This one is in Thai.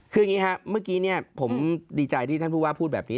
คืออย่างนี้ครับเมื่อกี้ผมดีใจที่ท่านผู้ว่าพูดแบบนี้